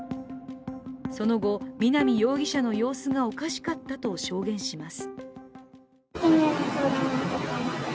その後、南容疑者の様子がおかしかったと証言します。